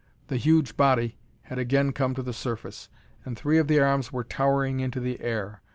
The huge body had again come to the surface, and three of the arms were towering into the air.